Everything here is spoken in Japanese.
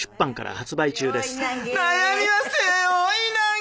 悩みは背負い投げ。